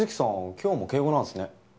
今日も敬語なんすね